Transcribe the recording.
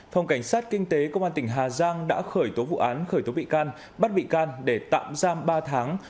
phòng cảnh sát kinh tế công an tỉnh hà giang đã khởi tố vụ án khởi tố bị can bắt bị can để tạm giam ba tháng